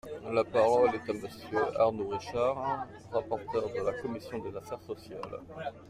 La parole est à Monsieur Arnaud Richard, rapporteur de la commission des affaires sociales.